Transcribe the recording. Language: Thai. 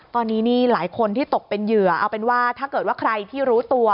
ตอนนี้นี่หลายคนที่ตกเป็นเหยื่อเอาเป็นว่าถ้าเกิดว่าใครที่รู้ตัว